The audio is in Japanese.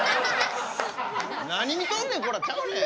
「何見とんねんこら」ちゃうで。